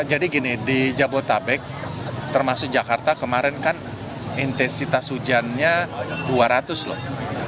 jadi gini di jabodetabek termasuk jakarta kemarin kan intensitas hujannya dua ratus loh